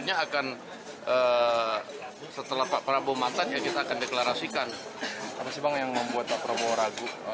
apa sih bang yang membuat pak prabowo ragu